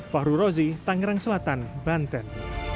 fahru rozi tangerang selatan banten